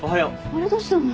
あれどうしたの？